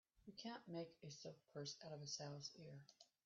You can't make a silk purse out of a sow's ear.